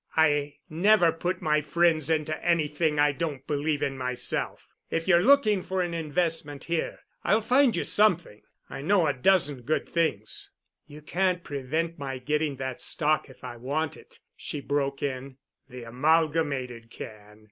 I never put my friends into anything I don't believe in myself. If you're looking for an investment here I'll find you something. I know a dozen good things." "You can't prevent my getting that stock if I want it," she broke in. "The Amalgamated can."